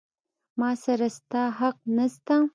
ما سره ستا حق نسته.